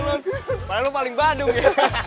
makanya lu paling badung ya